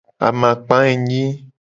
Amakpa enyi.